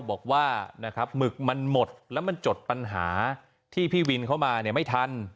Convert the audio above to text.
บอกว่าชมึกมันหมดแล้วจดปัญหาที่พี่วินเข้ามาไม่ทัน